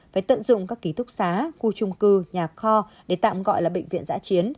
phải tận dụng các ký túc xá khu trung cư nhà kho để tạm gọi là bệnh viện giã chiến